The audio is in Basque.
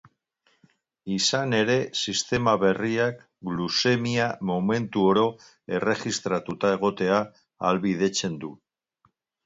Izan ere, sistema berriak gluzemia momentu oro erregistratuta egotea ahalbidetzen du.